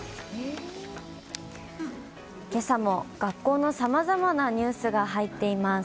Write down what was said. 今朝も学校のさまざまなニュースが入っています。